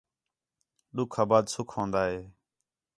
ݙُُِکھ آ بعد سُکھ ہون٘دا ہے